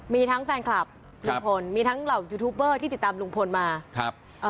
มีทั้งแฟนคลับลุงพลมีทั้งเหล่ายูทูปเบอร์ที่ติดตามลุงพลมาครับเอ่อ